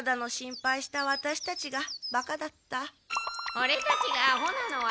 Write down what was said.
オレたちがアホなのは。